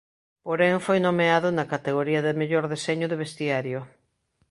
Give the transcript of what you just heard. Porén foi nomeado na categoría de mellor deseño de vestiario.